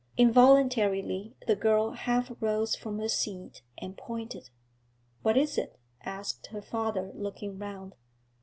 Involuntarily the girl half rose from her seat and pointed. 'What is it?' asked her father, looking round.